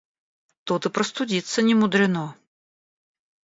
Тут и простудиться не мудрено.